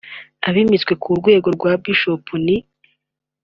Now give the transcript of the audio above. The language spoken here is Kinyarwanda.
Abimitswe ku rwego rwa Bishop ni